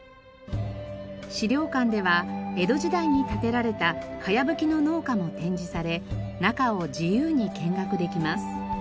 資料館では江戸時代に建てられた茅葺の農家も展示され中を自由に見学できます。